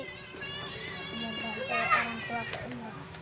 nampaknya orang tua keemang